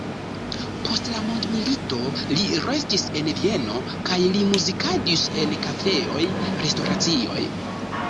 Post la mondomilito li restis en Vieno kaj li muzikadis en kafejoj, restoracioj.